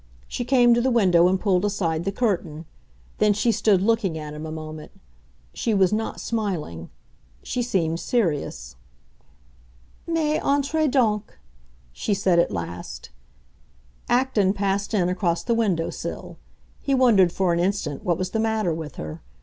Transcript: She came to the window and pulled aside the curtain; then she stood looking at him a moment. She was not smiling; she seemed serious. "Mais entrez donc!" she said at last. Acton passed in across the window sill; he wondered, for an instant, what was the matter with her.